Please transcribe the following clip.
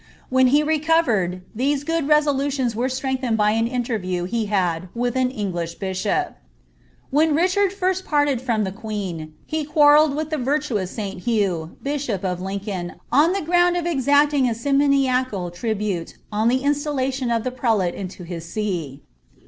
When he recovered, these good resolutions were strvngtheneil by ad interview he had with an English biahop. When Richard first parted from the queen, he quarrelled with At vi^ luous Sl ilugh, bishop of Lincoln, on the old ground of enenilg a simoniacal tribute on the installation of the prelaie into his see.